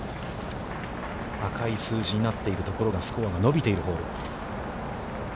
赤い数字になっているところが、スコアが伸びているホール。